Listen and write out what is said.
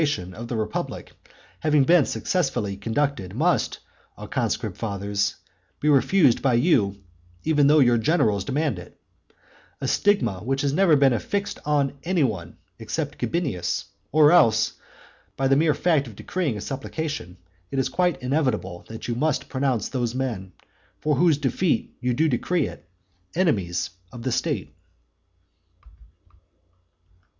Wherefore, a supplication on account of the affairs of the republic having been successfully conducted must, O conscript fathers, be refused by you even though your generals demand it; a stigma which has never been affixed on any one except Gabinius; or else, by the mere fact of decreeing a supplication, it is quite inevitable that you must pronounce those men, for whose defeat you do decree it, enemies of the state.